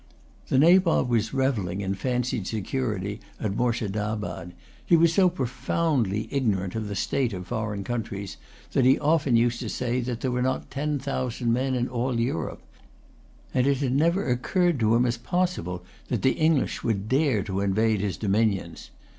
The Nabob was revelling in fancied security at Moorshedabad. He was so profoundly ignorant of the state of foreign countries that he often used to say that there were not ten thousand men in all Europe; and it had never occurred to him as possible that the English would dare to invade his dominions.